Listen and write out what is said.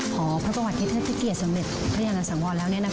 หอพระประวัติที่เทศประเกียร์สำเร็จพระยานสังวอนแล้ว